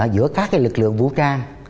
giữa các lực lượng vũ trang